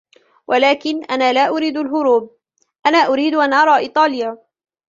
ولكن أنا لا أريد الهروب, أنا أريد أن أرى إيطاليا.